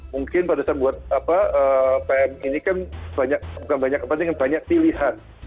mungkin pada saat buat pm ini kan banyak pilihan